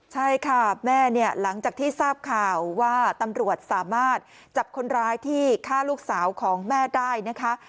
ใช่ค่ะแม่เนี่ยหลังจากที่ทราบข่าวว่าตำรวจสามารถจับคนร้ายที่ฆ่าลูกสาวของแม่ได้นะคะ